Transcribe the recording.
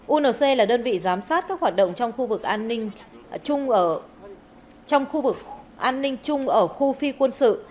unc là đơn vị giám sát các hoạt động trong khu vực an ninh chung ở khu phi quân sự